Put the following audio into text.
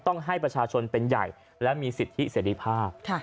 ต้องให้ประชาชนเป็นใหญ่และมีสิทธิเสรีภาพ